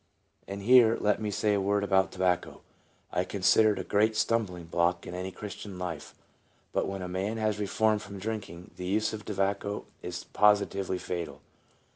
And here let me say a word about tobacco. I consider it a great stumbling block in any Christian's life ; but when a man has reformed from drinking, the use of tobacco is positively fatal.